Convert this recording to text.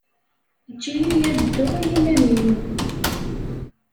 Ejj-iyi ad dduɣ i yiman-inu.